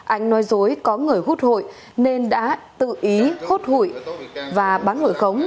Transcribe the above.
ảnh nói dối có người hút hội nên đã tự ý hút hội và bán hội khống